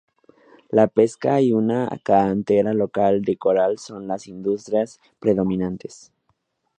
La pesca y una cantera local de coral son las industrias predominantes.